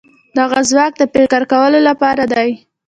دغه ځواک د فکر کولو لپاره دی.